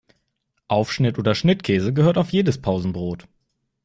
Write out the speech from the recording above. Aufschnitt oder Schnittkäse gehört auf jedes Pausenbrot.